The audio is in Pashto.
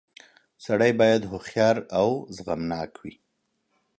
• سړی باید هوښیار او زغمناک وي.